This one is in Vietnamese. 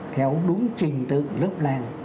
theo đúng trình tự lốc lan